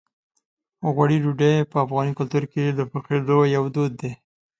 غوړي ډوډۍ په افغاني کلتور کې د پخېدو یو دود دی.